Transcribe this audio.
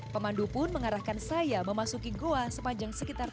pemandu pun mengarahkan saya memasuki goa sepanjang sekitar